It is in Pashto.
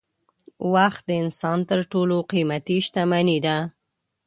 وخت د انسان تر ټولو قېمتي شتمني ده.